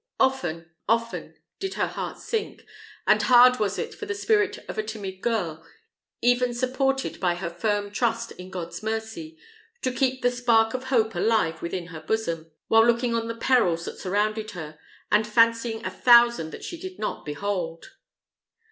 Often, often did her heart sink, and hard was it for the spirit of a timid girl, even supported by her firm trust in God's mercy, to keep the spark of hope alive within her bosom, while looking on the perils that surrounded her, and fancying a thousand that she did not behold.